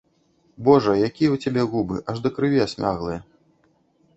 Божа, якія ў цябе губы, аж да крыві асмяглыя.